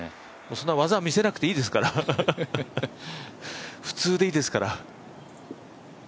技、見せなくていいですから普通でいいですから。